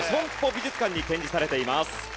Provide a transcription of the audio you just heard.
美術館に展示されています。